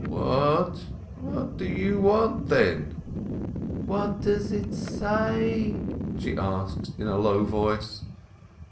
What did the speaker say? "What? What do you want then?" "What does it say?" she asked in a low voice.